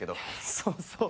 そうそう。